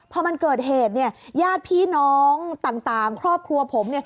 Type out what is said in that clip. พอมันเกิดเหตุญาติพี่น้องต่างครอบครัวผม